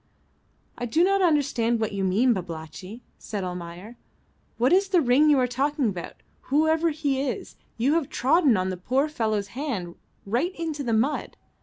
"I do not understand what you mean, Babalatchi," said Almayer. "What is the ring you are talking about? Whoever he is, you have trodden the poor fellow's hand right into the mud.